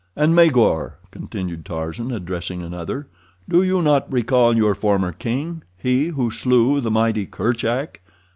"And Magor," continued Tarzan, addressing another, "do you not recall your former king—he who slew the mighty Kerchak?